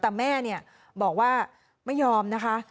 แต่แม่เนี่ยบอกว่าไม่ยอมนะคะ